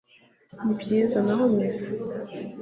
nibyiza naho mwe se